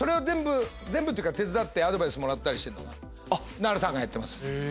全部っていうか手伝ってアドバイスもらったりしてなるさんがやってます。